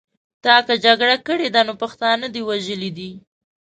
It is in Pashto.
تا که جګړه کړې ده نو پښتانه دې وژلي دي.